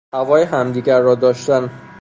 هوای همدیگر را داشتن